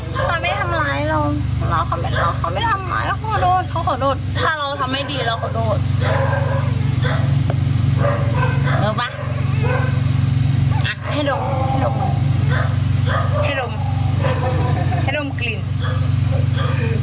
เขาไม่ทำร้ายเราเขาไม่ทำร้ายเราขอโทษถ้าเราทำให้ดีเราขอโทษ